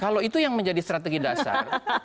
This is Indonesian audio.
kalau itu yang menjadi strategi dasar